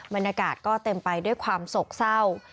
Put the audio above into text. บรรยากาศก็เต็มไปด้วยความโศกเศร้า